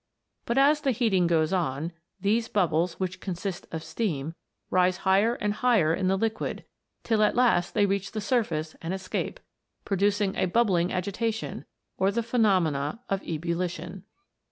But as the heating goes on, these bubbles, which consist of steam, rise higher and higher in the liquid, till at last they reach the surface and escape, producing a bubbling agitation, or the pheno mena of ebullition.